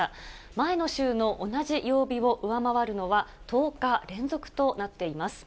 前の週の同じ曜日を上回るのは、１０日連続となっています。